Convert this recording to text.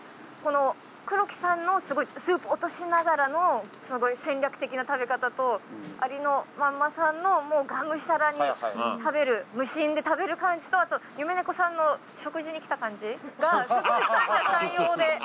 この黒木さんのスープ落としながらのすごい戦略的な食べ方とありのまんまさんのもうがむしゃらに食べる無心で食べる感じとあと夢猫さんの食事に来た感じがすごい三者三様で。